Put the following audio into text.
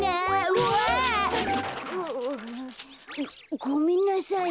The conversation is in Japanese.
うわ。ごめんなさい。